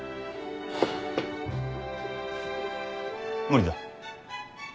無理だ。